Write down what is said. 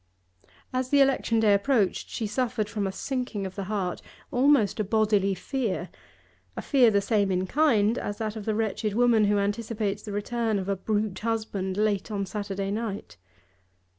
As the election day approached she suffered from a sinking of the heart, almost a bodily fear; a fear the same in kind as that of the wretched woman who anticipates the return of a brute husband late on Saturday night.